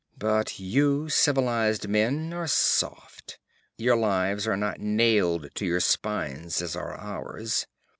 But you civilized men are soft; your lives are not nailed to your spines as are ours.